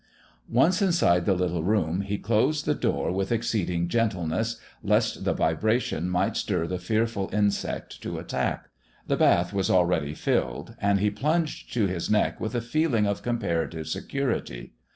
Once inside the little room, he closed the door with exceeding gentleness, lest the vibration might stir the fearful insect to attack. The bath was already filled, and he plunged to his neck with a feeling of comparative security.